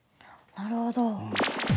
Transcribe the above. なるほど。